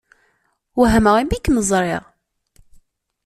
Wehmeɣ imi kem-ẓṛiɣ.